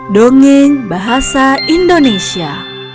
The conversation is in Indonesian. dongeng bahasa indonesia